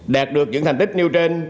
đạt được những thành tích nêu trên